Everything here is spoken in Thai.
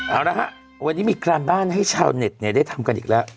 เอาละฮะวันนี้มีการบ้านให้ชาวเน็ตได้ทำกันอีกแล้ว